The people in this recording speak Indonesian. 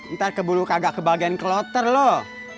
ntar kebunuh kagak kebagian ke loter loh